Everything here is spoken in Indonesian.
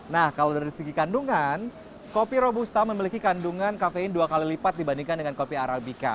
nah kalau dari segi kandungan kopi robusta memiliki kandungan kafein dua kali lipat dibandingkan dengan kopi arabica